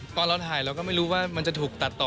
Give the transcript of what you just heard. ตอนเราถ่ายเราก็ไม่รู้ว่ามันจะถูกตัดต่อ